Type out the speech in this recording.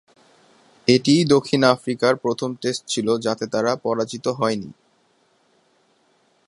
এটিই দক্ষিণ আফ্রিকার প্রথম টেস্ট ছিল যাতে তারা পরাজিত হয়নি।